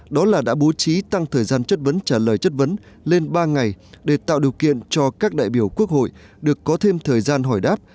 đó là đã bố trí tăng thời gian chất vấn trả lời chất vấn lên ba ngày để tạo điều kiện cho các đại biểu quốc hội được có thêm thời gian hỏi đáp